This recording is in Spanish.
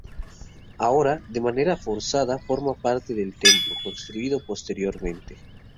Ahora, de manera forzada, forma parte del templo, construido posteriormente.